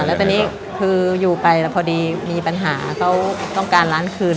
แล้วตอนนี้คืออยู่ไปแล้วพอดีมีปัญหาเขาต้องการร้านคืน